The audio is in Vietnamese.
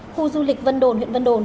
khu du lịch vân đồn huyện vân đồn